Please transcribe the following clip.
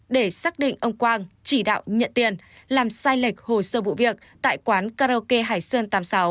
để xác định ông quang chỉ đạo nhận tiền làm sai lệch hồ sơ vụ việc tại quán karaoke hải sơn tám mươi sáu